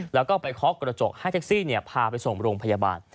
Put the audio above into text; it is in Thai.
แล้วก็ไปเคาะกระจกให้แท็กซี่พาไปส่งโรงพยาบาล